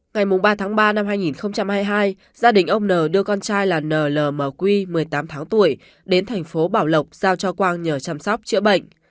ngày ba ba hai nghìn hai mươi hai gia đình ông nhn đưa con trai là nlmq một mươi tám tháng tuổi đến tp bảo lộc giao cho quang nhờ chăm sóc chữa bệnh